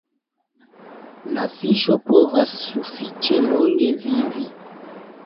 La fiŝo povas sufiĉe longe vivi.